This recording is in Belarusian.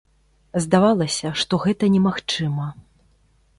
Здавалася, што гэта немагчыма.